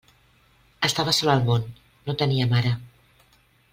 Estava sol al món; no tenia mare.